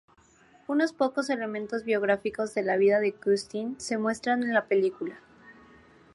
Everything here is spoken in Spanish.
Unos pocos elementos biográficos de la vida de Custine se muestran en la película.